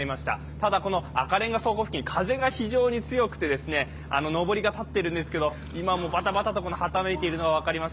ただ、赤レンガ倉庫付近、風が非常に強くて、のぼりが立ってるんですけど今もバタバタとはためいているのが分かります。